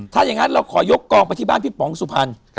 ถ้าอย่างนั้นเราขอยกกองไปที่บ้านพี่ป๋องสุพรรณ